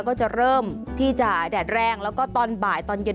ก็จะเริ่มที่จะแดดแรงแล้วก็ตอนบ่ายตอนเย็น